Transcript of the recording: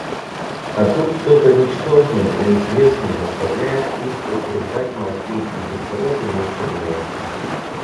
А тут кто-то ничтожный, неизвестный заставляет их утруждать мозги, и без того замученные.